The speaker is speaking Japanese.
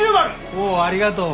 おうありがとう。